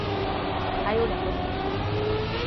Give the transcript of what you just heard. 还有两个小时